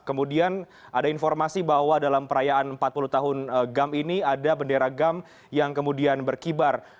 kemudian ada informasi bahwa dalam perayaan empat puluh tahun gam ini ada bendera gam yang kemudian berkibar